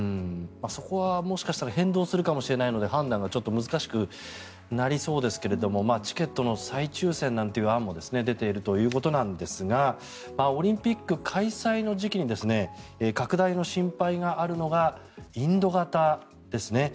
そこは、もしかしたら変動するかもしれないので判断が難しくなりそうですがチケットの再抽選なんて言う案も出ているということなんですがオリンピック開催の時期に拡大の心配があるのがインド型ですね。